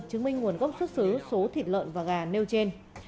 chứng minh nguồn gốc xuất xứ số thịt lợn và gà nêu trên